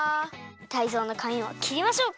タイゾウのかみもきりましょうか？